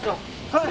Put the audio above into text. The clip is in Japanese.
はい。